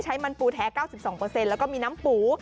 ใช้มันปูแท้๙๒แล้วก็มีน้ำปู